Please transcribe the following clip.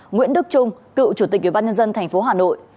nguyễn đức trung cựu chủ tịch ubnd tp hà nội